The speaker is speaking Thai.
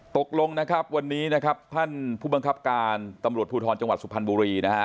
ตกลงวันนี้ท่านผู้บังคับการตำรวจภูทรจังหวัดสุพรรณบุรี